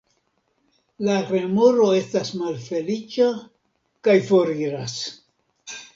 La remoro estas malfeliĉa kaj foriras.